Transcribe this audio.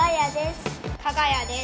かが屋です。